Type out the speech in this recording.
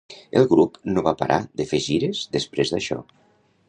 El grup no va para de fer gires després d'això.